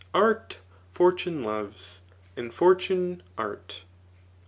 Art fortune loves^ suid fortune art.